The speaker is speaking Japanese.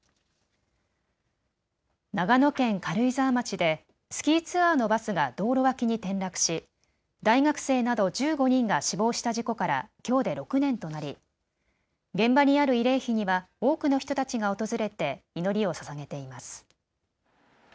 長野県軽井沢町でスキーツアーのバスが道路脇に転落し大学生など１５人が死亡した事故からきょうで６年となり現場にある慰霊碑には多くの人たちが訪れて祈りをささげています。